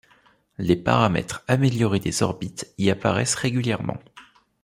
Les paramètres améliorés des orbites y apparaissent régulièrement.